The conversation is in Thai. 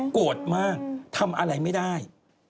โกรธมากทำอะไรไม่ได้